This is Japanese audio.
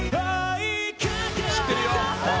「知ってるよ」